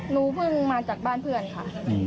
เพิ่งมาจากบ้านเพื่อนค่ะ